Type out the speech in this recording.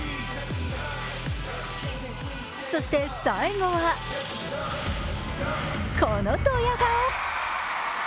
そして、最後はこのドヤ顔。